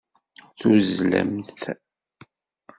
Tuzzlemt.